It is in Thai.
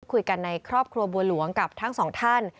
คุยกันในครอบครัวบัวหลวงกับทั้งสองท่าน